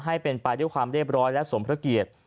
ให้เป็นไปด้วยความเรียบร้อยและสมพระเกียรติ